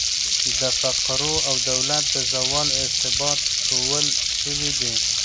د فقرو او دولت د زوال ارتباط ښوول سوي دي.